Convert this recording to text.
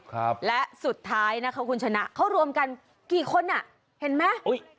ครับและสุดท้ายนะคะคุณชนะเขารวมกันกี่คนอ่ะเห็นไหมอุ้ย